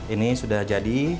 ini sudah jadi